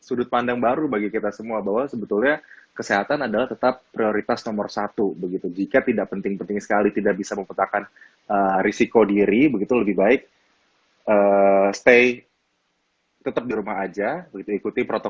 ude sianur sekali lagi